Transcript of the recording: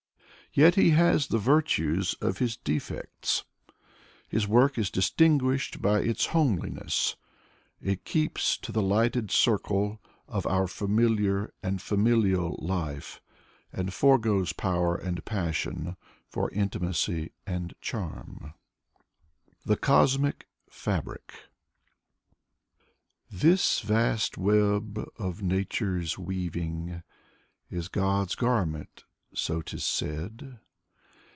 Yet he has the virtues of his defects. His work is distinguished by its homeliness. It keeps to the lighted circle of our familiar and familial life, and foregoes power and passion for intimacy and charm. 47 48 Yakov Polonsky THE COSMIC FABRIC ^ This vast web, of Nature's weaving, Is God's garment, so 'tis said.